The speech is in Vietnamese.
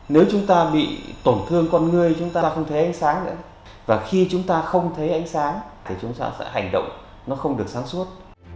nếu chúng ta bị tổn thương con người chúng ta không thấy ánh sáng nữa và khi chúng ta không thấy ánh sáng thì chúng ta sẽ hành động nó không được sáng suốt